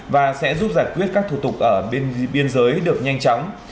và sẽ giúp giải quyết các thủ tục ở bên biên giới được nhanh chóng